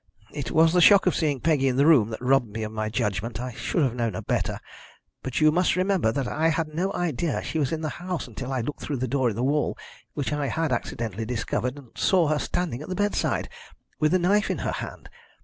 It was the shock of seeing Peggy in the room that robbed me of my judgment. I should have known her better, but you must remember that I had no idea she was in the house until I looked through the door in the wall which I had accidentally discovered, and saw her standing at the bedside, with the knife in her hand.